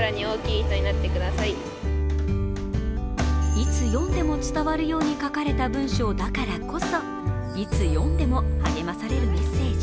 いつ読んでも伝わるように書かれた文章だからこそいつ読んでも励まされるメッセージ。